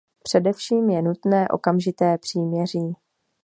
Především je nutné okamžité příměří.